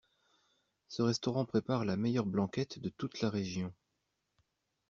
Ce restaurant prépare la meilleure blanquette de toute la région.